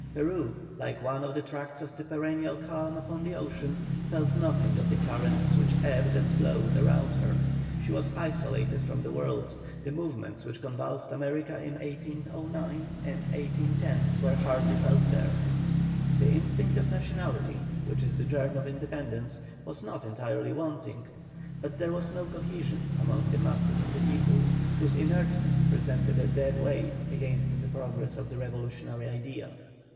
Peru, like to one of the tracts of perennial calm upon the ocean, felt nothing of the currents which ebbed and flowed around her; she was isolated from the world; the movements which convulsed America in 1809 and 1810 were hardly felt there. The instinct of nationality, which is the germ of independence, was not entirely wanting; but there was no cohesion among the masses of the people, whose inertness presented a dead weight against the progress of the revolutionary idea.